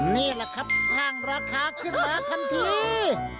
นี่แหละครับสร้างราคาขึ้นมาทันที